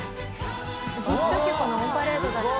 ヒット曲のオンパレードだし。